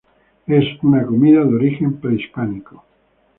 Es una comida de origen prehispánico.